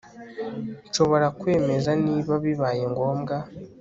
Nshobora kwemeza niba bibaye ngombwa